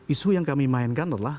isu yang kami mainkan adalah